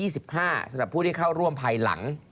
สำหรับผู้ที่เข้าร่วมภายหลัง